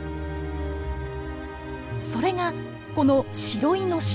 それがこのシロイノシトール。